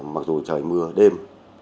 mặc dù trời mưa đêm